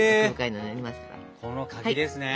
この柿ですね。